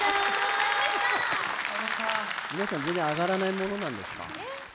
皆さん全然あがらないものなんですか？